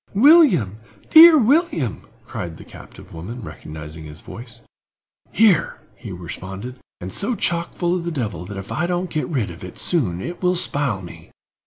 "William—dear William!" cried the captive woman, recognizing his voice. "Here!" he responded, "and so chock full of the devil that if I don't get rid of it soon it will spile me.